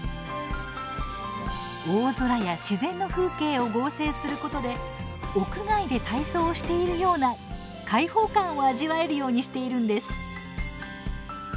大空や自然の風景を合成することで屋外で体操をしているような開放感を味わえるようにしているんです。